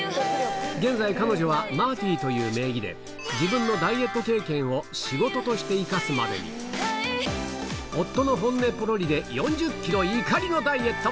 現在彼女はＭａｒｔｙという名義で自分のダイエット経験を仕事として生かすまでに夫の本音ポロリで４０ｋｇ怒りのダイエット